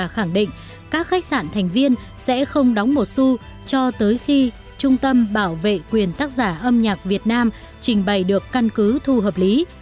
hà khẳng định các khách sạn thành viên sẽ không đóng một su cho tới khi trung tâm bảo vệ quyền tác giả âm nhạc việt nam trình bày được căn cứ thu hợp lý